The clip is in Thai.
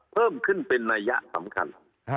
เพิ่มขึ้นเป็นนัยยะสำคัญ